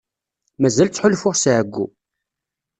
Mazal ttḥulfuɣ s εeyyu.